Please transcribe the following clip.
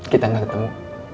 kita gak ketemu